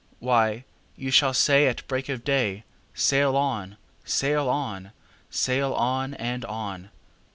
"Why, you shall say at break of day,'Sail on! sail on! sail on! and on!